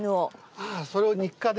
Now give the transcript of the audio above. あそれを日課で。